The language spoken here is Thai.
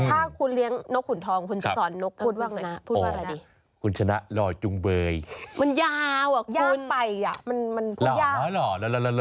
ถ้าคุณเลี้ยงนกขุนทองคุณจะสอนนกขุนทองพูดอะไร